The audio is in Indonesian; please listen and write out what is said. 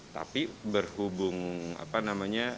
tapi berhubung majornya